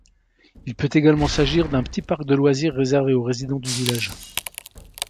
Il peut également s'agir d'un petit parc de loisirs réservé aux résidents du village.